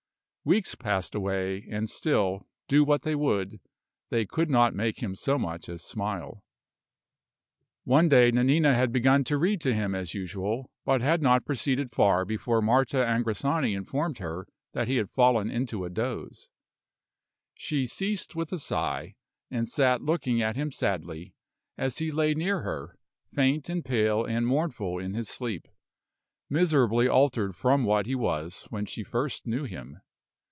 Weeks passed away, and still, do what they would, they could not make him so much as smile. One day Nanina had begun to read to him as usual, but had not proceeded far before Marta Angrisani informed her that he had fallen into a doze. She ceased with a sigh, and sat looking at him sadly, as he lay near her, faint and pale and mournful in his sleep miserably altered from what he was when she first knew him.